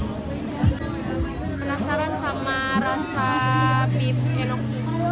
penasaran sama rasa beef enok